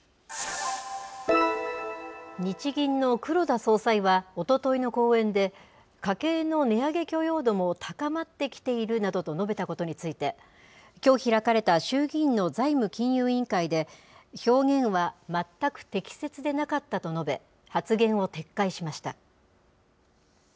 日銀の黒田総裁はおとといの講演で、家計の値上げ許容度も高まってきているなどと述べたことについて、きょう開かれた衆議院の財務金融委員会で、表現はまったく適切でなかったと述べ、発言を撤回しました。